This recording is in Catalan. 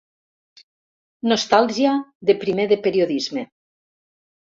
Nostàlgia de primer de periodisme.